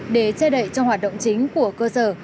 để che đậy trong hoạt động chính của cơ sở